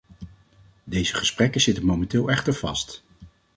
Deze gesprekken zitten momenteel echter vast.